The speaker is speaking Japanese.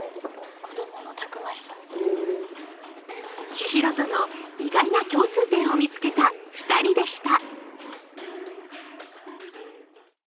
千尋との意外な共通点を見つけた２人でした。